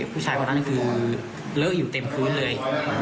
ผู้ชายคนนั้นคือเลอะอยู่เต็มพื้นเลย